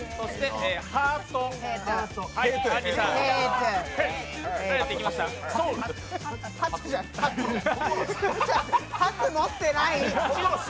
ハツ持ってない！